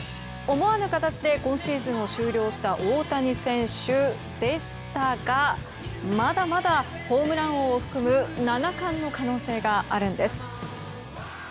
思わぬ形で今シーズンを終了した大谷選手でしたがまだまだ、ホームラン王を含む７冠の可能性があるんです。